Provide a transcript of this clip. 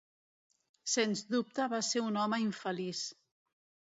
Sens dubte va ser un home infeliç.